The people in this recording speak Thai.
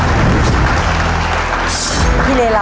ตัวเลือกที่สี่อายุ๙๖ปี๔เดือน๘วัน